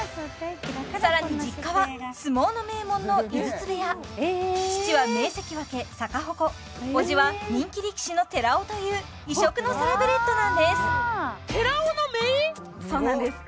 さらに実家は相撲の名門の井筒部屋父は名関脇逆鉾叔父は人気力士の寺尾という異色のサラブレッドなんですそうなんです